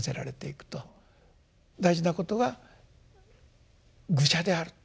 大事なことは愚者であると。